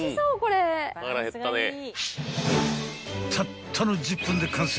［たったの１０分で完成］